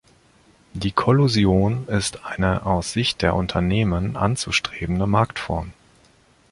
Die Kollusion ist eine, aus Sicht der Unternehmen, anzustrebende Marktform.